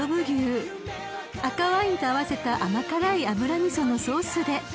［赤ワインと合わせた甘辛い油味噌のソースで］